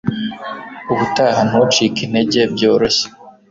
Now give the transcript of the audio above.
Ubutaha ntucike intege byoroshye